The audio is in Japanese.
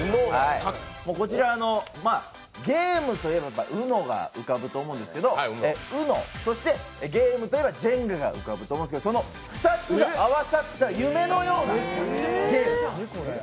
こちら、ゲームといえばＵＮＯが浮かぶと思うんですけど、ＵＮＯ、そしてゲームではジェンガが思い浮かぶと思うんですけどその２つが合わさった夢のようなゲーム。